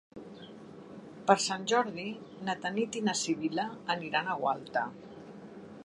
Per Sant Jordi na Tanit i na Sibil·la aniran a Gualta.